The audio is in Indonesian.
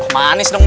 manis dong bu